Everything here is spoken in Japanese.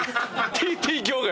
ＴＴ兄弟。